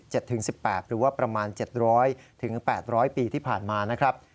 หรือว่าประมาณ๗๐๐๘๐๐ปีที่ผ่านมานะครับ